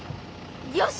よし！